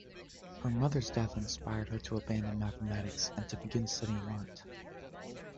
Her mother's death inspired her to abandon mathematics and to begin studying art.